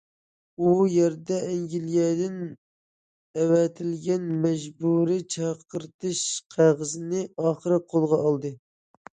ئۇ يەردە ئەنگلىيەدىن ئەۋەتىلگەن مەجبۇرىي چاقىرتىش قەغىزىنى ئاخىرى قولىغا ئالدى.